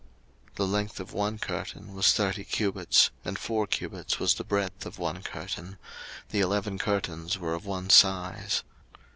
02:036:015 The length of one curtain was thirty cubits, and four cubits was the breadth of one curtain: the eleven curtains were of one size.